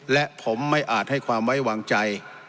และผมไม่อาจให้ความไว้วางใจ